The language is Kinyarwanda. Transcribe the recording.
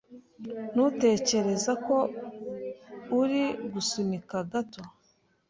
Ntutekereza ko uri gusunika gato?